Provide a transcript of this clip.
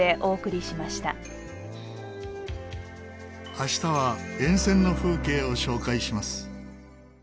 明日は沿線の風景を紹介します。